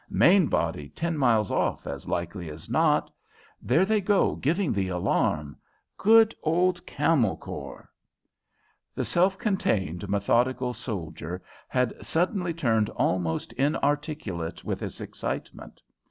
Main body ten miles off, as likely as not. There they go giving the alarm! Good old Camel Corps!" The self contained, methodical soldier had suddenly turned almost inarticulate with his excitement.